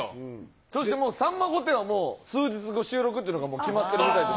そしてもうさんま御殿は、収録っていうのが、もう決まってるみたいですよ。